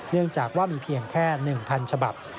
เนื่องจากว่ามีเพียงแค่๑๐๐ฉบับ